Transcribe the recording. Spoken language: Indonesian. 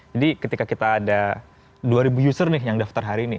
jadi ketika kita ada dua ribu user nih yang daftar hari ini